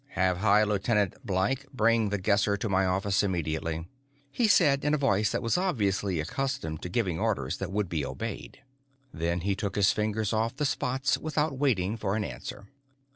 "Have High Lieutenant Blyke bring The Guesser to my office immediately," he said, in a voice that was obviously accustomed to giving orders that would be obeyed. Then he took his fingers off the spots without waiting for an answer.